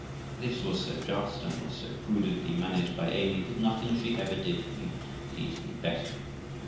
This was so just, and was so prudently managed by Amy, that nothing she ever did for me pleased me better.